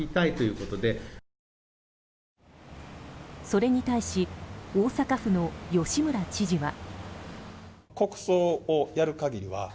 それに対し大阪府の吉村知事は。